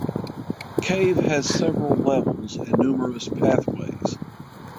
Cave has several levels and numerous pathways.